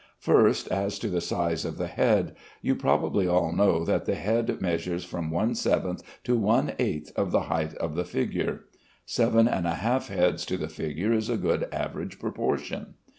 First, as to the size of the head. You probably all know that the head measures from one seventh to one eighth of the height of the figure. Seven and a half heads to the figure is a good average proportion.